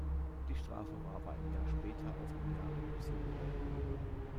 Die Strafe war aber ein Jahr später auf ein Jahr reduziert worden.